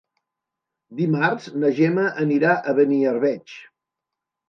Dimarts na Gemma anirà a Beniarbeig.